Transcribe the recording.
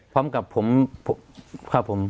พร้อมกับผม